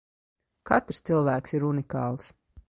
Katrs cilvēks ir unikāls.